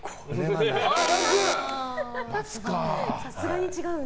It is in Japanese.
さすがに違うんだ。